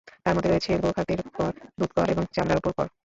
তার মধ্যে রয়েছে গো-খাদ্যের কর, দুধ-কর এবং চামড়ার উপর কর।